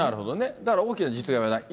だから大きな実害はない。